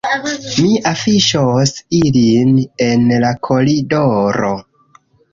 Mi afiŝos ilin en la koridoro